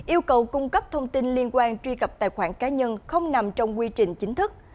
yêu cầu cung cấp thông tin liên quan truy cập tài khoản cá nhân không nằm trong quy trình chính thức